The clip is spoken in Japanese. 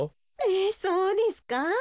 えそうですか？